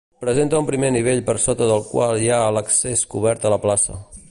Presenta un primer nivell per sota del qual hi ha l'accés cobert a la plaça.